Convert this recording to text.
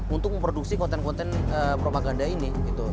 untuk memproduksi konten konten propaganda ini